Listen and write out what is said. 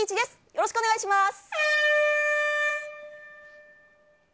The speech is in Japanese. よろしくお願いします。